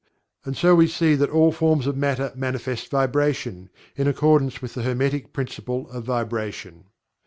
And, so we see that all forms of Matter manifest Vibration, in accordance with the Hermetic Principle of Vibration.